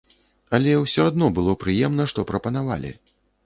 Але ўсё адно было прыемна, што прапанавалі.